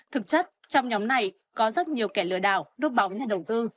thực chất trong nhóm này có rất nhiều kẻ lừa đảo đốt bóng nhà đầu tư